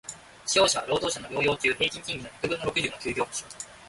使用者は、労働者の療養中平均賃金の百分の六十の休業補償